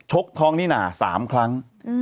ชกท้องนี่นา๓ครั้ง